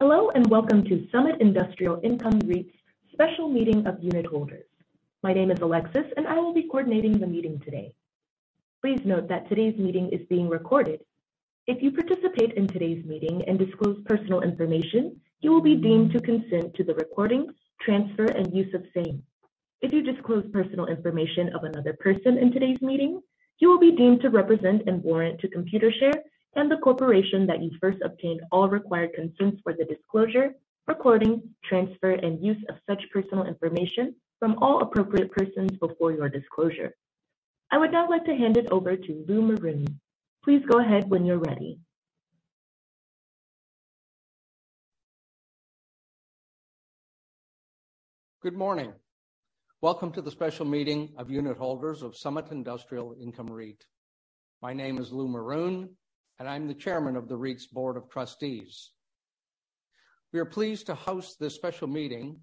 Hello and welcome to Summit Industrial Income REIT's special meeting of unitholders. My name is Alexis, and I will be coordinating the meeting today. Please note that today's meeting is being recorded. If you participate in today's meeting and disclose personal information, you will be deemed to consent to the recording, transfer, and use of same. If you disclose personal information of another person in today's meeting, you will be deemed to represent and warrant to Computershare and the corporation that you first obtained all required consents for the disclosure, recording, transfer, and use of such personal information from all appropriate persons before your disclosure. I would now like to hand it over to Lou Maroun. Please go ahead when you're ready. Good morning. Welcome to the special meeting of unitholders of Summit Industrial Income REIT. My name is Lou Maroun, and I'm the Chairman of the REIT's Board of Trustees. We are pleased to host this special meeting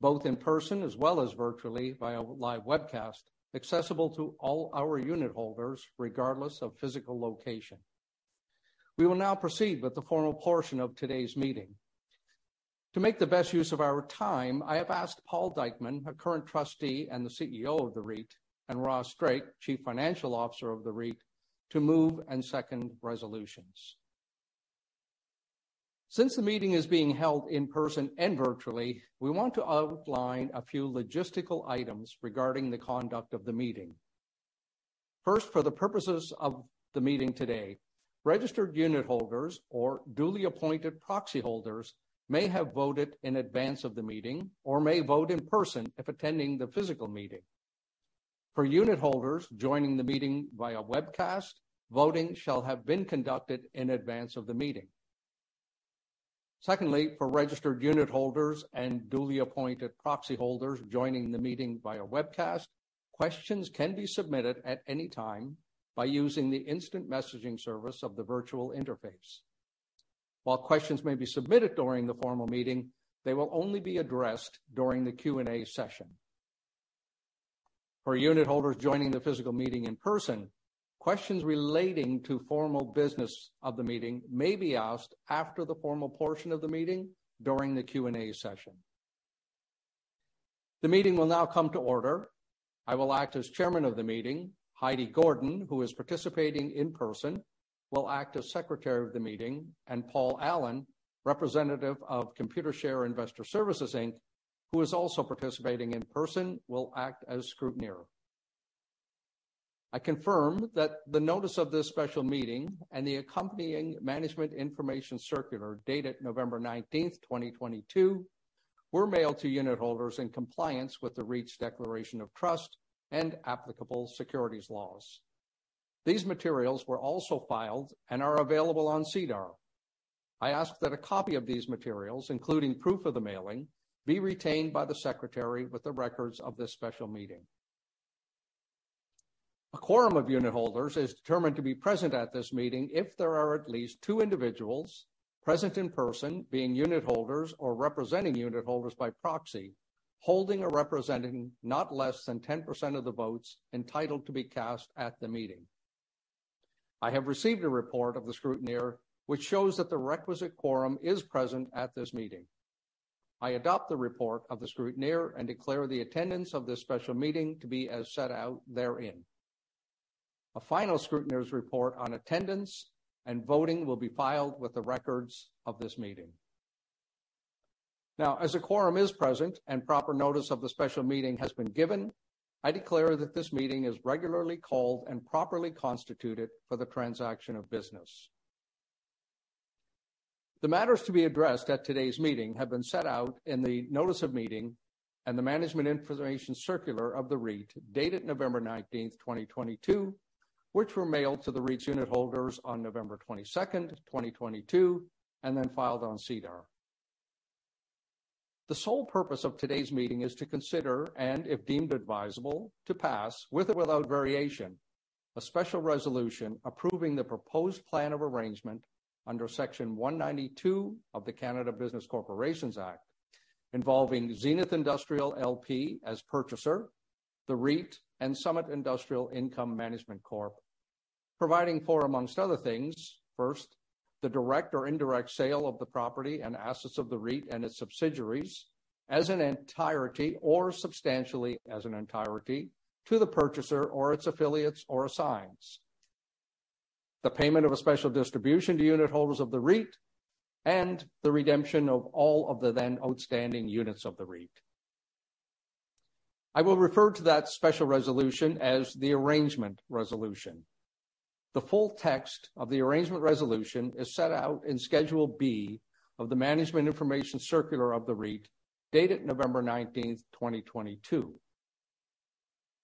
both in person as well as virtually via live webcast, accessible to all our unitholders, regardless of physical location. We will now proceed with the formal portion of today's meeting. To make the best use of our time, I have asked Paul Dykeman, a current Trustee and the CEO of the REIT, and Ross Drake, Chief Financial Officer of the REIT, to move and second resolutions. Since the meeting is being held in person and virtually, we want to outline a few logistical items regarding the conduct of the meeting. First, for the purposes of the meeting today, registered unitholders or duly appointed proxyholders may have voted in advance of the meeting or may vote in person if attending the physical meeting. For unitholders joining the meeting via webcast, voting shall have been conducted in advance of the meeting. Secondly, for registered unitholders and duly appointed proxyholders joining the meeting via webcast, questions can be submitted at any time by using the instant messaging service of the virtual interface. While questions may be submitted during the formal meeting, they will only be addressed during the Q&A session. For unitholders joining the physical meeting in person, questions relating to formal business of the meeting may be asked after the formal portion of the meeting during the Q&A session. The meeting will now come to order. I will act as chairman of the meeting. Heidi Gordon, who is participating in person, will act as secretary of the meeting. Paul Allen, representative of Computershare Investor Services Inc., who is also participating in person, will act as scrutineer. I confirm that the notice of this special meeting and the accompanying management information circular dated November 19, 2022, were mailed to unitholders in compliance with the REIT's declaration of trust and applicable securities laws. These materials were also filed and are available on SEDAR. I ask that a copy of these materials, including proof of the mailing, be retained by the secretary with the records of this special meeting. A quorum of unitholders is determined to be present at this meeting if there are at least two individuals present in person, being unitholders or representing unitholders by proxy, holding or representing not less than 10% of the votes entitled to be cast at the meeting. I have received a report of the scrutineer, which shows that the requisite quorum is present at this meeting. I adopt the report of the scrutineer and declare the attendance of this special meeting to be as set out therein. A final scrutineer's report on attendance and voting will be filed with the records of this meeting. As a quorum is present and proper notice of the special meeting has been given, I declare that this meeting is regularly called and properly constituted for the transaction of business. The matters to be addressed at today's meeting have been set out in the notice of meeting and the management information circular of the REIT, dated November 19, 2022, which were mailed to the REIT's unitholders on November 22, 2022, and filed on SEDAR. The sole purpose of today's meeting is to consider, and if deemed advisable, to pass, with or without variation, a special resolution approving the proposed plan of arrangement under Section 192 of the Canada Business Corporations Act, involving Zenith Industrial LP as purchaser, the REIT, and Summit Industrial Income Management Corp., providing for, among other things, first, the direct or indirect sale of the property and assets of the REIT and its subsidiaries as an entirety or substantially as an entirety to the purchaser or its affiliates or assigns. The payment of a special distribution to unitholders of the REIT and the redemption of all of the then outstanding units of the REIT. I will refer to that special resolution as the arrangement resolution. The full text of the arrangement resolution is set out in Schedule B of the management information circular of the REIT, dated November 19, 2022.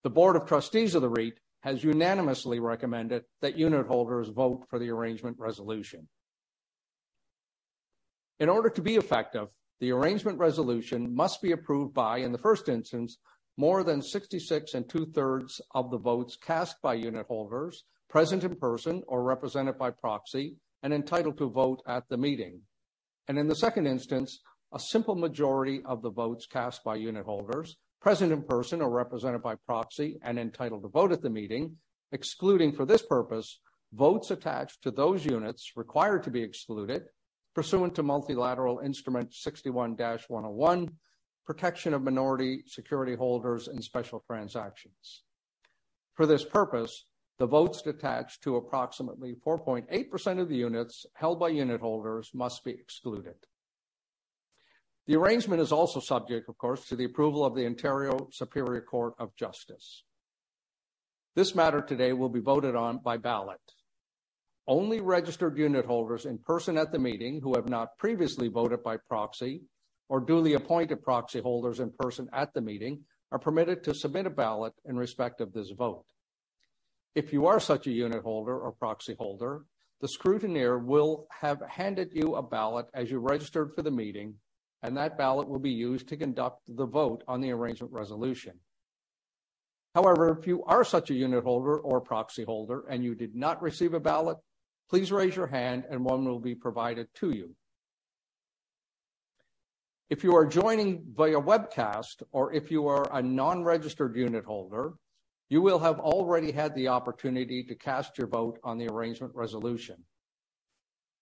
The Board of Trustees of the REIT has unanimously recommended that unitholders vote for the arrangement resolution. In order to be effective, the arrangement resolution must be approved by, in the first instance, more than 66 and 2/3 of the votes cast by unitholders present in person or represented by proxy and entitled to vote at the meeting. In the second instance, a simple majority of the votes cast by unitholders present in person or represented by proxy and entitled to vote at the meeting, excluding for this purpose, votes attached to those units required to be excluded pursuant to Multilateral Instrument 61-101, Protection of Minority Security Holders in Special Transactions. For this purpose, the votes attached to approximately 4.8% of the units held by unitholders must be excluded. The arrangement is also subject, of course, to the approval of the Ontario Superior Court of Justice. This matter today will be voted on by ballot. Only registered unitholders in person at the meeting who have not previously voted by proxy, or duly appointed proxy holders in person at the meeting are permitted to submit a ballot in respect of this vote. If you are such a unitholder or proxyholder, the scrutineer will have handed you a ballot as you registered for the meeting, and that ballot will be used to conduct the vote on the arrangement resolution. However, if you are such a unitholder or proxyholder and you did not receive a ballot, please raise your hand and one will be provided to you. If you are joining via webcast or if you are a non-registered unitholder, you will have already had the opportunity to cast your vote on the arrangement resolution.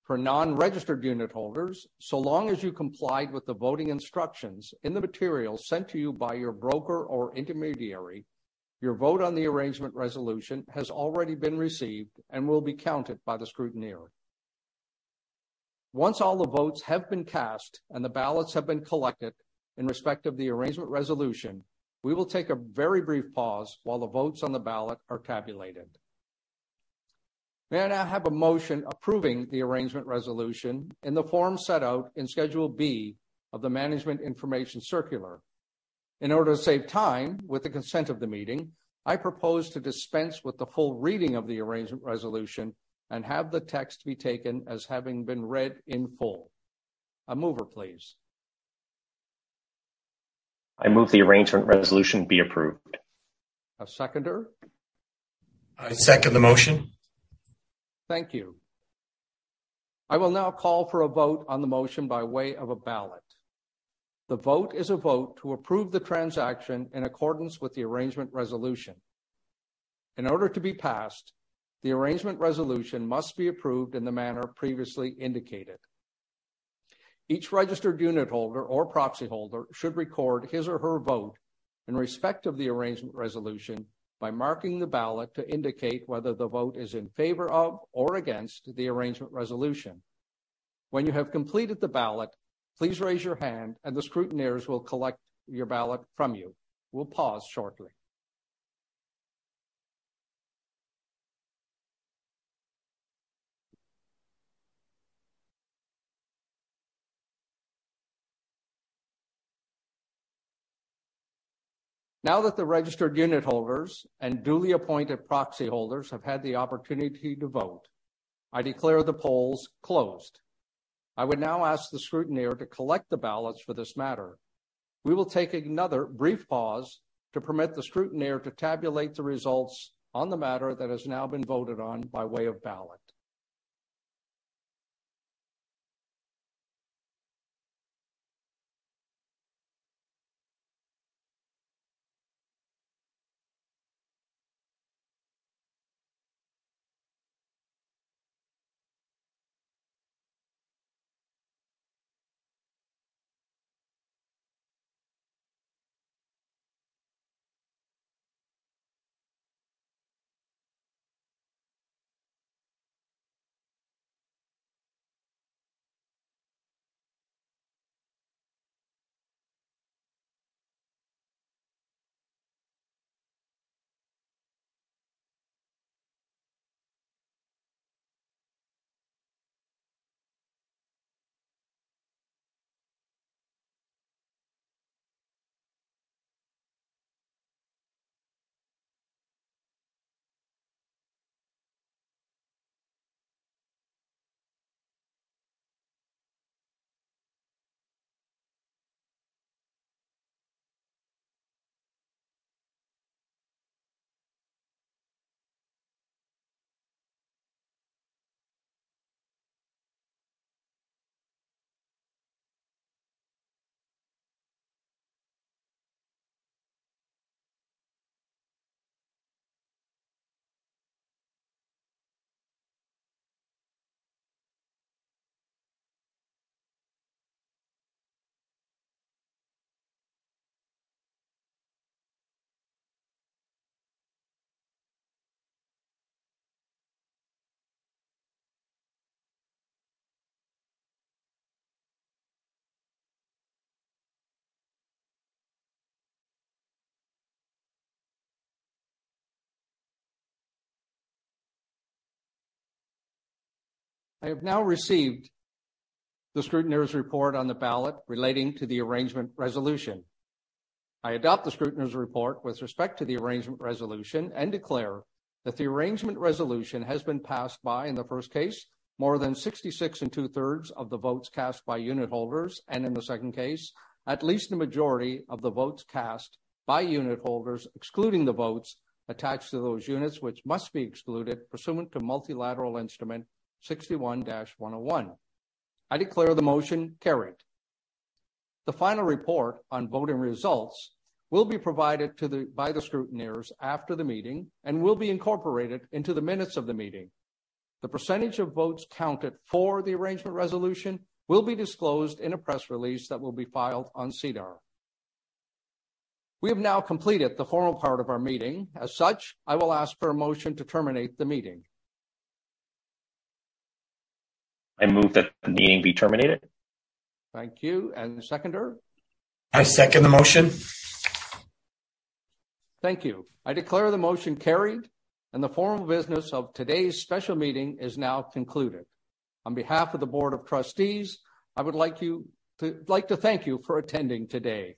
For non-registered unitholders, so long as you complied with the voting instructions in the material sent to you by your broker or intermediary, your vote on the arrangement resolution has already been received and will be counted by the scrutineer. Once all the votes have been cast and the ballots have been collected in respect of the arrangement resolution, we will take a very brief pause while the votes on the ballot are tabulated. May I now have a motion approving the arrangement resolution in the form set out in Schedule B of the Management Information Circular. In order to save time, with the consent of the meeting, I propose to dispense with the full reading of the arrangement resolution and have the text be taken as having been read in full. A mover, please. I move the arrangement resolution be approved. A seconder? I second the motion. Thank you. I will now call for a vote on the motion by way of a ballot. The vote is a vote to approve the transaction in accordance with the arrangement resolution. In order to be passed, the arrangement resolution must be approved in the manner previously indicated. Each registered unitholder or proxyholder should record his or her vote in respect of the arrangement resolution by marking the ballot to indicate whether the vote is in favor of or against the arrangement resolution. When you have completed the ballot, please raise your hand and the scrutineers will collect your ballot from you. We'll pause shortly. Now that the registered unitholders and duly appointed proxyholders have had the opportunity to vote, I declare the polls closed. I would now ask the scrutineer to collect the ballots for this matter. We will take another brief pause to permit the scrutineer to tabulate the results on the matter that has now been voted on by way of ballot. I have now received the scrutineer's report on the ballot relating to the arrangement resolution. I adopt the scrutineer's report with respect to the arrangement resolution and declare that the arrangement resolution has been passed by, in the first case, more than 66 and 2/3 of the votes cast by unitholders, and in the second case, at least the majority of the votes cast by unitholders, excluding the votes attached to those units which must be excluded pursuant to Multilateral Instrument 61-101. I declare the motion carried. The final report on voting results will be provided by the scrutineers after the meeting and will be incorporated into the minutes of the meeting. The percentage of votes counted for the arrangement resolution will be disclosed in a press release that will be filed on SEDAR. We have now completed the formal part of our meeting. As such, I will ask for a motion to terminate the meeting. I move that the meeting be terminated. Thank you. The seconder? I second the motion. Thank you. I declare the motion carried, and the formal business of today's special meeting is now concluded. On behalf of the Board of Trustees, I would like to thank you for attending today.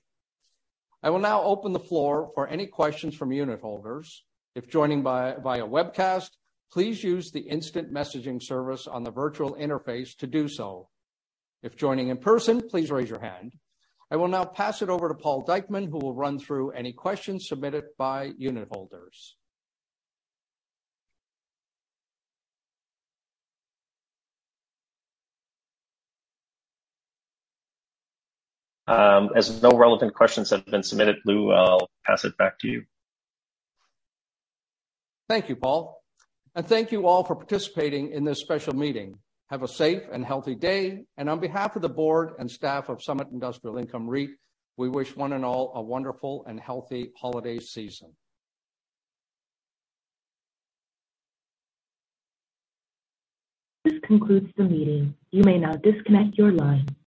I will now open the floor for any questions from unitholders. If joining via webcast, please use the instant messaging service on the virtual interface to do so. If joining in person, please raise your hand. I will now pass it over to Paul Dykeman, who will run through any questions submitted by unitholders. As no relevant questions have been submitted, Lou, I'll pass it back to you. Thank you, Paul. Thank you all for participating in this special meeting. Have a safe and healthy day. On behalf of the board and staff of Summit Industrial Income REIT, we wish one and all a wonderful and healthy holiday season. This concludes the meeting. You may now disconnect your line.